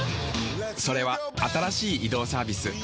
それは新しい移動サービス「ＭａａＳ」。